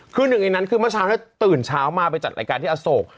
คือหนึ่งในนั้นคือเมื่อเช้าก็ตื่นเช้ามาไปจัดรายการที่อโศก